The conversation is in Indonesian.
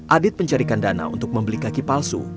adit mencarikan dana untuk membeli kaki palsu